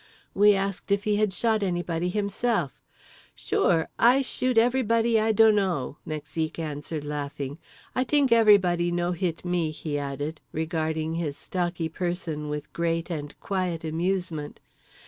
We asked if he had shot anybody himself. "Sure. I shoot everybody I do'no" Mexique answered laughing. "I t'ink every body no hit me" he added, regarding his stocky person with great and quiet amusement.